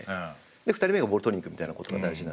２人目がボール取りに行くみたいなことが大事なので。